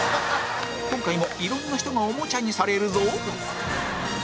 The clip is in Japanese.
今回もいろんな人がおもちゃにされるぞ